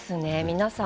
皆さん